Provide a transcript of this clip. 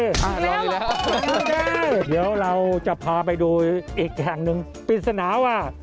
บรรยายร้ายเฎียวเราจะพาไปดูอีกแห่งนึงปริศนาว่า